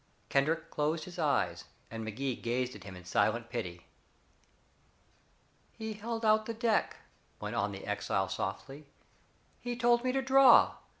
Kendrick closed his eyes, and Magee gazed at him in silent pity. "He held out the deck," went on the exile softly, "he told me to draw.